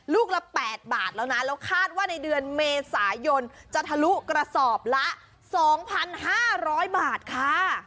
ลูกละ๘บาทแล้วนะแล้วคาดว่าในเดือนเมษายนจะทะลุกระสอบละ๒๕๐๐บาทค่ะ